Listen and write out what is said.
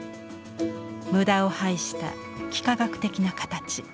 無駄を排した幾何学的な形。